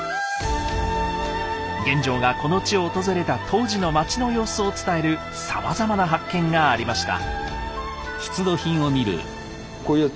玄奘がこの地を訪れた当時の町の様子を伝えるさまざまな発見がありました。